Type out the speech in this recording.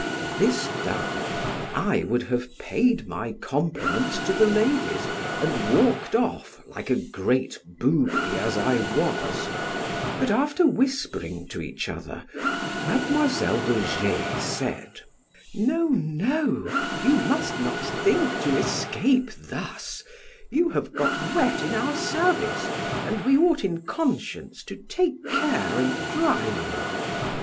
This done, I would have paid my compliments to the ladies, and walked off like a great booby as I was, but after whispering each other, Mademoiselle de G said, "No, no, you must not think to escape thus; you have got wet in our service, and we ought in conscience to take care and dry you.